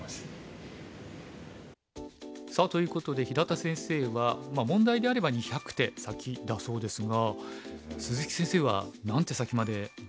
さあということで平田先生は問題であれば２００手先だそうですが鈴木先生は何手先まで実際のところ読んでるんでしょうね。